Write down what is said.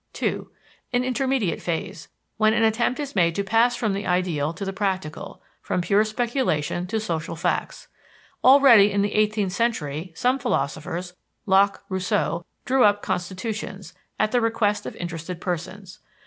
(2) An intermediate phase, when an attempt is made to pass from the ideal to the practical, from pure speculation to social facts. Already, in the eighteenth century, some philosophers (Locke, Rousseau) drew up constitutions, at the request of interested persons.